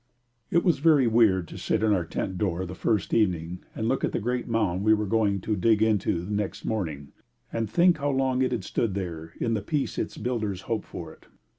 It was very weird to sit in our tent door the first evening and look at the great mound we were going to dig into next morning, and think how long it had stood there in the peace its builders hoped for it.